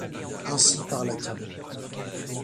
Ainsi parla-t-il.